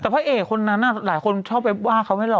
แต่พระเอกคนนั้นหลายคนชอบไปว่าเขาไม่หรอก